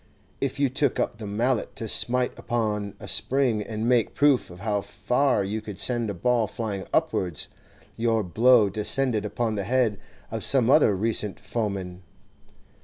If you took up the mallet to smite upon a spring and make proof of how far you could send a ball flying upwards, your blow descended upon the head of some other recent foeman.